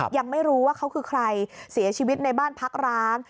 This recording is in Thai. ยังไม่รู้ว่าเขาคือใครเสียชีวิตในบ้านพักร้าง